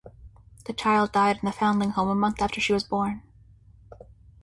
The child died in the foundling home a month after she was born.